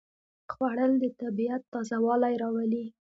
خوړل د طبیعت تازهوالی راولي